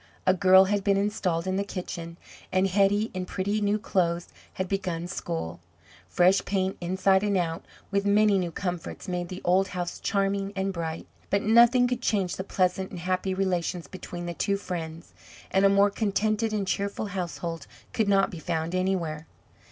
A girl had been installed in the kitchen, and Hetty, in pretty new clothes, had begun school. Fresh paint inside and out, with many new comforts, made the old house charming and bright. But nothing could change the pleasant and happy relations between the two friends, and a more contented and cheerful household could not be found anywhere.